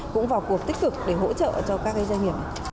cũng vào cuộc tích cực để hỗ trợ cho các doanh nghiệp